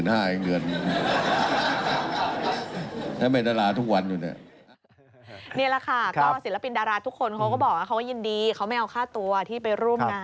ว่ายินดีเขาไม่เอาค่าตัวที่ไปร่วมงาน